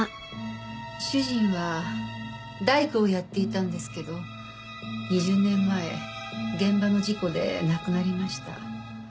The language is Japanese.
主人は大工をやっていたんですけど２０年前現場の事故で亡くなりました。